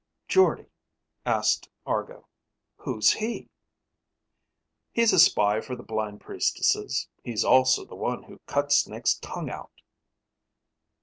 "Jordde?" asked Argo. "Who's he?" "He's a spy for the blind priestesses. He's also the one who cut Snake's tongue out."